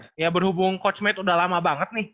nah ini ya berhubung kosmet udah lama banget nih